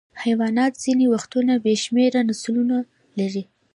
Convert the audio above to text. حیوانات ځینې وختونه بې شمېره نسلونه لري.